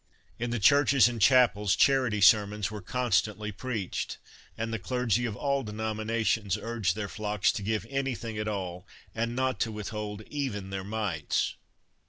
In the churches and chapels charity sermons were constantly preached, and the clergy of all denominations urged their flocks to give anything at all, and not to withhold even their mites.